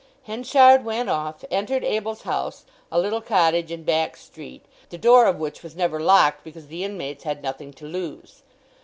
Henchard went off, entered Abel's house, a little cottage in Back Street, the door of which was never locked because the inmates had nothing to lose.